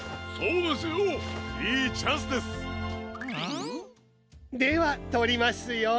ん？ではとりますよ。